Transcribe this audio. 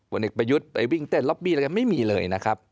วันเอกประยุทธ์ไปวิ่งเต้นล็อบบี้ไม่มีเลยนะครับ